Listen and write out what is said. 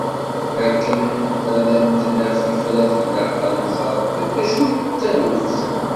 Akken ad am-d-naf tifrat ilaq ad nẓer qbel d acu i d taluft.